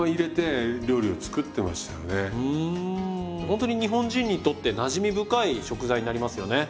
ほんとに日本人にとってなじみ深い食材になりますよね。